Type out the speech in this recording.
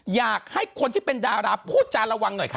อยากให้คนที่เป็นดาราพูดจาระวังหน่อยค่ะ